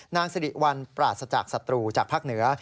นางสิริวัลปราศจากศัตรูจากภาคเหนือ